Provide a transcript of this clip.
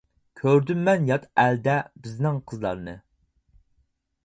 كۆردۈم مەن يات ئەلدە بىزنىڭ قىزلارنى.